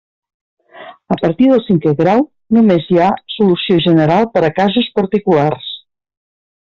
A partir del cinquè grau només hi ha solució general per a casos particulars.